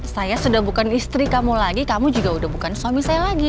saya sudah bukan istri kamu lagi kamu juga udah bukan suami saya lagi